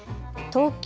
東京